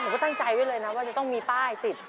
ผมก็ตั้งใจที่ต้องมีป้ายติด